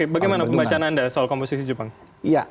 bagaimana pembacaan anda soal komposisi jepang